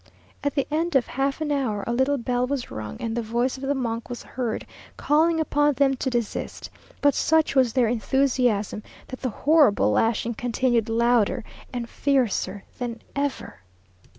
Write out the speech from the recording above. At the end of half an hour a little bell was rung, and the voice of the monk was heard, calling upon them to desist; but such was their enthusiasm, that the horrible lashing continued louder and fiercer than ever.